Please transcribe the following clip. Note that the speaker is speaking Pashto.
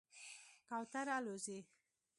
کوتره الوځي.